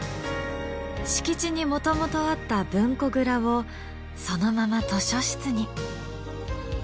敷地にもともとあった文庫蔵をそのまま図書室に。